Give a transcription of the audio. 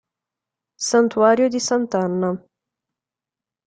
Santuario di Sant'Anna.